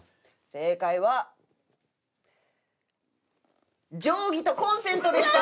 正解は「定規」と「コンセント」でした！